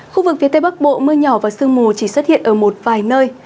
khu vực phía tây bắc bộ mưa nhỏ và sương mù chỉ xuất hiện ở một vài nơi